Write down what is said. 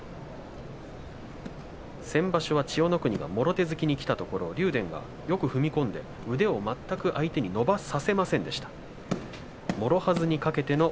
先場所は千代の国がもろ手突きにきたところに竜電がよく踏み込んで腕を相手に伸ばさせませんでした。